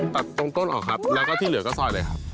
ตัดตรงต้นออกครับแล้วก็ที่เหลือก็ซอยเลยครับ